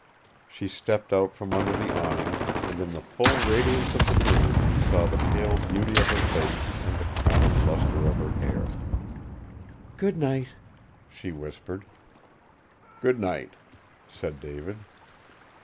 She stepped out from under the awning, and in the full radiance of the moon he saw the pale beauty of her face and the crowning luster of her hair. "Good night!" she whispered. "Good night!" said David.